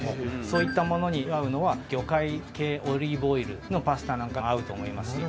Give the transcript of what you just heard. そういったものに合うのは魚介系オリーブオイルのパスタなんかが合うと思いますし。